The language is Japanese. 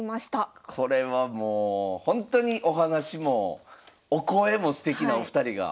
これはもうほんとにお話もお声もすてきなお二人が。